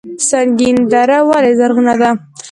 سنګین دره ولې زرغونه ده؟